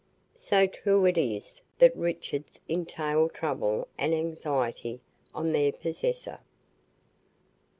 So true it is that riches entail trouble and anxiety on their possessor.